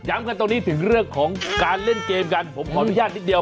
กันตรงนี้ถึงเรื่องของการเล่นเกมกันผมขออนุญาตนิดเดียว